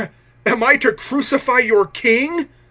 "Am I to crucify your king?"